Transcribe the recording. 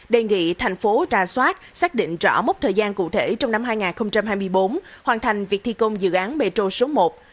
đề nghị thành phố ra soát xác định rõ mốc thời gian cụ thể trong năm hai nghìn hai mươi bốn hoàn thành việc thi công dự án metro số một